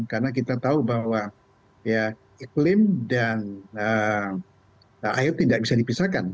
karena kita tahu bahwa iklim dan air tidak bisa dipisahkan